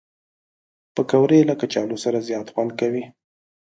پکورې له کچالو سره زیات خوند کوي